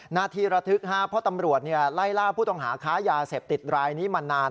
หน้าที่ระทึกฮะเพราะตำรวจไล่ล่าผู้ต้องหาค้ายาเสพติดรายนี้มานาน